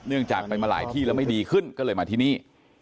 จากไปมาหลายที่แล้วไม่ดีขึ้นก็เลยมาที่นี่